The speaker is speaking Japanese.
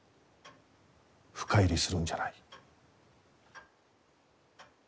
深入りするんじゃない。